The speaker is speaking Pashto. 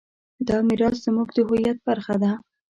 دا میراث زموږ د هویت برخه ده.